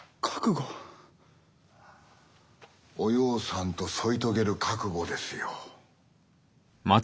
おようさんと添い遂げる覚悟ですよ。